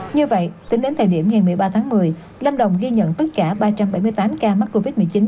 như vậy tính đến thời điểm ngày một mươi ba tháng một mươi lâm đồng ghi nhận tất cả ba trăm bảy mươi tám ca mắc covid một mươi chín